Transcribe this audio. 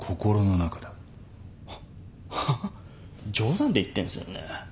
ハハ冗談で言ってんすよね？